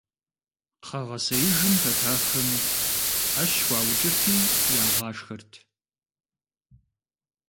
Кхъэгъэсеижым хэтахэм Ӏэщ хуаукӀырти ягъашхэрт.